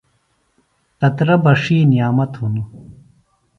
قطرہ بݜی نعمت ہِنوۡ۔